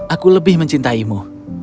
aku lebih mencintaimu